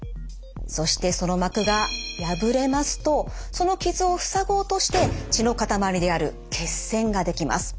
そしてその膜が破れますとその傷を塞ごうとして血のかたまりである血栓ができます。